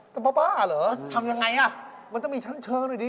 ทำยังไงล่ะมันต้องมีชั้นเชิงด้วยดิ